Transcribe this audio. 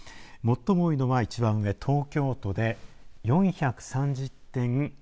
最も多いのは一番上、東京都で４３０．１３人